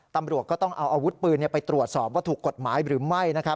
ตำรวจก็ต้องเอาอาวุธปืนไปตรวจสอบว่าถูกกฎหมายหรือไม่